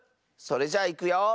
それじゃいくよ。